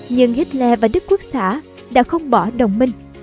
nhưng hitler và đức quốc xã đã không bỏ đồng minh